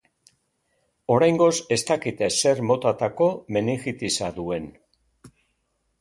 Oraingoz ez dakite zer motatako meningitisa duen.